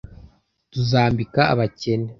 tuzambika abakene